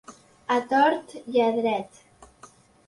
A tort i a dret.